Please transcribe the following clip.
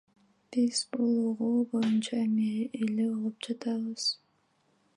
Биз бул боюнча эми эле угуп жатабыз.